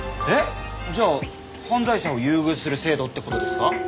えっ？じゃあ犯罪者を優遇する制度って事ですか？